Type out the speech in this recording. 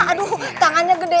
aduh tangannya gede pisau